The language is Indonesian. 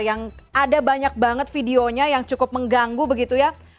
yang ada banyak banget videonya yang cukup mengganggu begitu ya